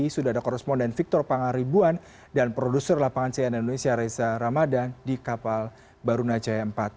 sudah ada korresponden victor pangaribuan dan produser lapangan cn indonesia reza ramadhan di kapal baruna jaya empat